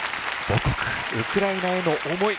母国ウクライナへの思い。